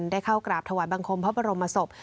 ได้เข้ากราบถวายบังคมพระบรมศพ